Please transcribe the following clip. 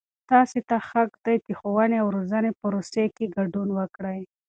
تاسې ته حق دی چې د ښووني او روزنې پروسې کې ګډون وکړئ.